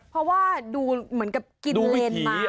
เพราะว่าดูเหมือนกับกินเลนมา